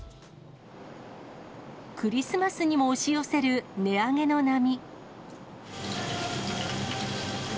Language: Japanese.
クリスマスにも押し寄せる値上げの波。